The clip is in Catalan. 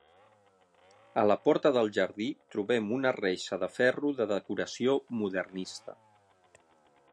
A la porta del jardí trobem una reixa de ferro de decoració modernista.